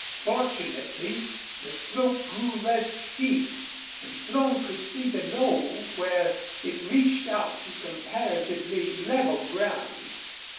Fortunately the slope grew less steep, and Slone could see below where it reached out to comparatively level ground.